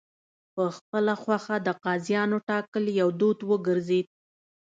په خپله خوښه د قاضیانو ټاکل یو دود وګرځېد.